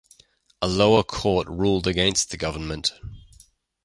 A lower court ruled against the government.